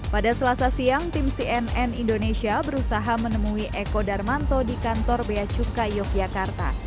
pada selasa siang tim cnn indonesia berusaha menemui eko darmanto di kantor beacukai yogyakarta